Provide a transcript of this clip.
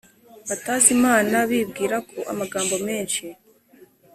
batazi imana, bibwira ko amagambo menshi